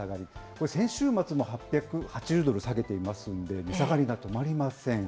これ先週末も８８０ドル下げていますんで、値下がりが止まりません。